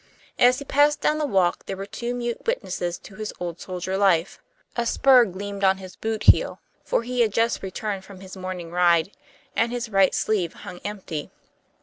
As he passed down the walk there were two mute witnesses to his old soldier life. A spur gleamed on his boot heel, for he had just returned from his morning ride, and his right sleeve hung empty.